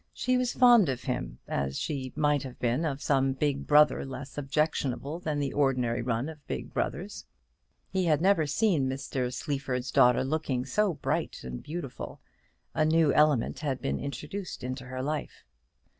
She was fond of him, as she might have been of some big brother less objectionable than the ordinary run of big brothers. He had never seen Mr. Sleaford's daughter looking so bright and beautiful. A new element had been introduced into her life.